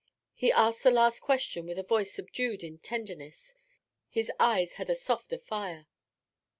He asked the last question with a voice subdued in tenderness; his eyes had a softer fire.